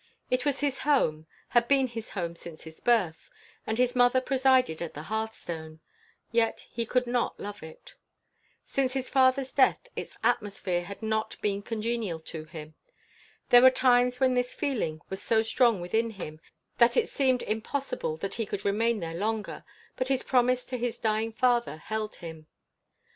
It was his home had been his home since his birth, and his mother presided at the hearthstone, yet he could not love it. Since his father's death its atmosphere had not been congenial to him. There were times when this feeling was so strong within him that it seemed impossible that he could remain there longer; but his promise to his dying father held him.